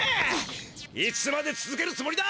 いつまでつづけるつもりだ！